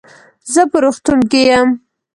زه په روغتون کې يم.